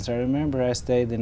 nó là một vấn đề tuyệt vọng